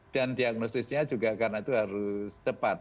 dan diagnosisnya juga karena itu harus cepat